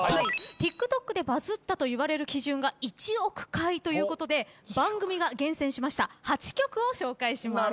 ＴｉｋＴｏｋでバズったといわれる基準が１億回ということで番組が厳選しました８曲を紹介します。